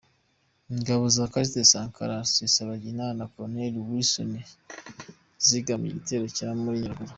Ingabo Za Callixte Sankara , Rusesabagina Na Col. Wilson Zigambye Igitero Cyo Muri Nyaruguru